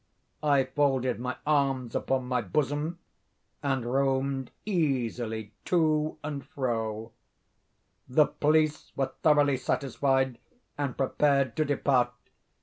I folded my arms upon my bosom, and roamed easily to and fro. The police were thoroughly satisfied and prepared to depart.